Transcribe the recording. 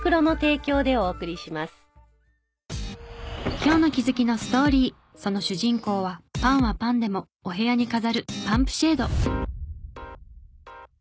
今日の気づきのストーリーその主人公はパンはパンでもお部屋に飾る「パンプシェード」。